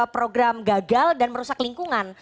program gagal dan merusak lingkungan